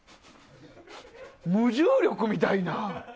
無重力みたいな。